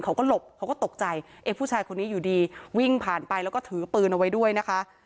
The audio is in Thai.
เขาก็หลบเขาก็ตกใจเอ๊ะผู้ชายคนนี้อยู่ดีวิ่งผ่านไปแล้วก็ถือปืนเอาไว้ด้วยนะคะ